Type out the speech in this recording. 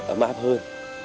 ấm áp hơn